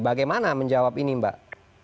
bagaimana menjawab ini mbak